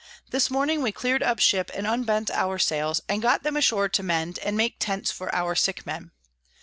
This Morning we clear'd up Ship, and bent our Sails, and got them ashore to mend, and make Tents for our sick Men.